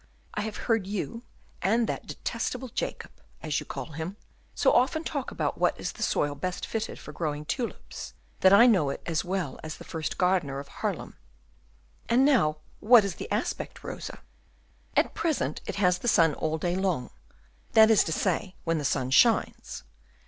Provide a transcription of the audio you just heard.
I have heard you and that detestable Jacob, as you call him, so often talk about what is the soil best fitted for growing tulips, that I know it as well as the first gardener of Haarlem." "And now what is the aspect, Rosa?" "At present it has the sun all day long, that is to say when the sun shines.